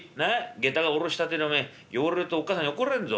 下駄が下ろしたてでおめえ汚れるとおっかさんに怒られんぞ。